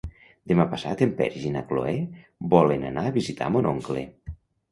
Demà passat en Peris i na Cloè volen anar a visitar mon oncle.